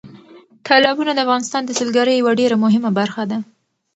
تالابونه د افغانستان د سیلګرۍ یوه ډېره مهمه برخه ده.